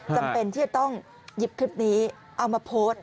จำเป็นที่จะต้องหยิบคลิปนี้เอามาโพสต์